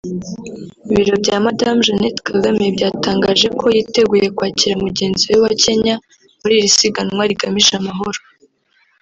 Ibiro bya Madamu Jeannette Kagame byatangaje ko yiteguye kwakira mugenzi we wa Kenya muri iri siganwa rigamije amahoro